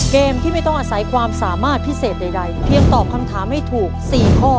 เกมที่ไม่ต้องอาศัยความสามารถพิเศษใดเพียงตอบคำถามให้ถูก๔ข้อ